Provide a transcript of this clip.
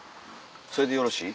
それでよろしい？